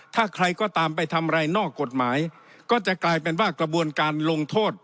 ถ้าใครก็ตามไปทำอะไรนอกกฎหมายก็จะกลายเป็นว่ากระบวนการลงโทษ